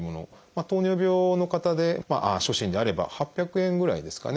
糖尿病の方で初診であれば８００円ぐらいですかね